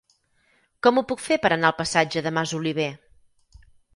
Com ho puc fer per anar al passatge de Masoliver?